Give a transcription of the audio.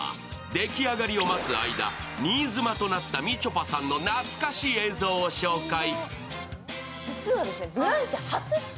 出来上がりを待つ間、新妻となったみちょぱさんの懐かしい映像を紹介。